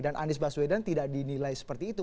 dan anies baswedan tidak dinilai seperti itu